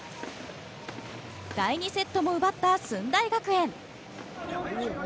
第２セットも奪った駿台学園。